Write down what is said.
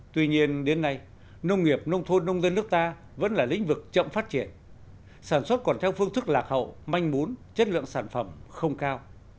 tuy nhiên đến nay nông nghiệp nông thôn nông dân nước ta vẫn là lĩnh vực chậm phát triển sản xuất còn theo phương thức lạc hậu manh mún chất lượng sản phẩm không cao